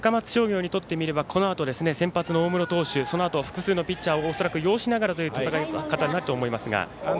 高松商業にとってみればこのあと先発の大室投手とそのあと複数のピッチャーを擁しながらになると思いますが。